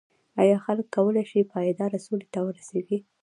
ایا خلک کولای شي پایداره سولې ته ورسیږي؟